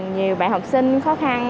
nhiều bạn học sinh khó khăn